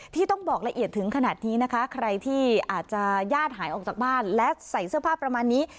ที่ต้องบอกละเอียดถึงขนาดนี้นะคะใครที่อาจจะญาติหายออกจากบ้านและใส่เสื้อผ้าประมาณนี้